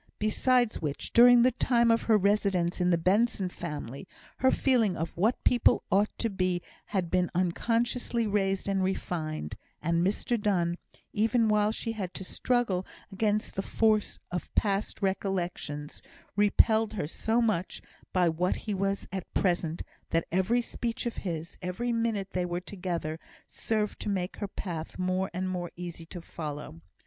Besides which, during the time of her residence in the Benson family, her feeling of what people ought to be had been unconsciously raised and refined; and Mr Donne, even while she had to struggle against the force of past recollections, repelled her so much by what he was at present, that every speech of his, every minute they were together, served to make her path more and more easy to follow.